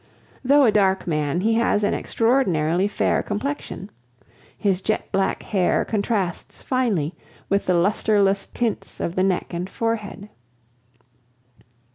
Though a dark man, he has an extraordinarily fair complexion; his jet black hair contrasts finely with the lustreless tints of the neck and forehead.